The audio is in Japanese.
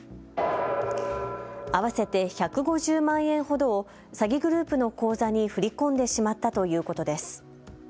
合わせて１５０万円ほどを詐欺グループの口座に振り込んでしまったということです。